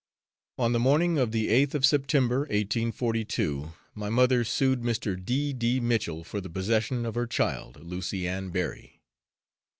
On the morning of the 8th of September, 1842, my mother sued Mr. D. D. Mitchell for the possession of her child, Lucy Ann Berry.